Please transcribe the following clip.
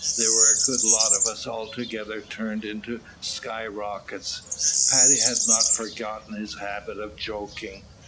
There were a good lot of us altogether turned into sky rockets." Paddy had not forgotten his habit of joking.